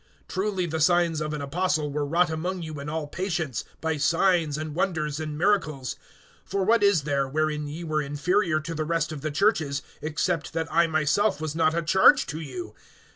(12)Truly the signs of an apostle were wrought among you in all patience, by signs, and wonders, and miracles. (13)For what is there, wherein ye were inferior to the rest of the churches, except that I myself was not a charge to you?